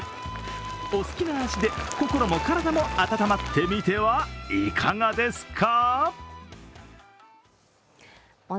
お好きな味で心も体も温まってみてはいかがですか？